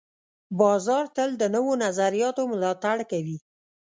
بازار تل د نوو نظریاتو ملاتړ کوي.